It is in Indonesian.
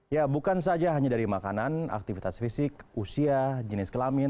ya bukan saja hanya dari makanan aktivitas fisik usia jenis kelamin